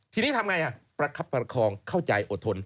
ทีนี้ทำไงประคับประคองเข้าใจอดทน